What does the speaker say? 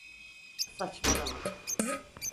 Saçmalama.